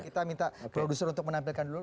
kita minta produser untuk menampilkan dulu